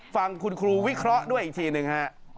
ฟังคุณครูวิเคราะห์ด้วยอีกทีหนึ่งฮะ